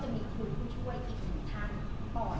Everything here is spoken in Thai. ทราบไซส์ของโครงเรียนมีภาษาอัพพิมพ์มาก